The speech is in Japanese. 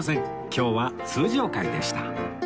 今日は通常回でした